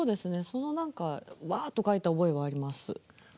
その何かわっと書いた覚えはあります。